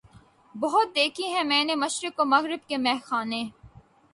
بہت دیکھے ہیں میں نے مشرق و مغرب کے مے خانے